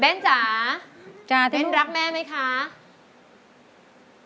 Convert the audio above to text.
เบนจ้าเบนรักแม่ไหมค่ะมจ้าที่หมู